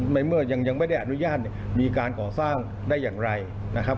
ในเมื่อยังไม่ได้อนุญาตเนี่ยมีการก่อสร้างได้อย่างไรนะครับ